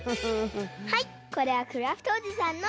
はいこれはクラフトおじさんの。